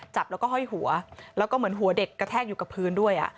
จับแล้วก็ห้อยหัวแล้วก็เหมือนหัวเด็กกระแทกอยู่กับพื้นด้วย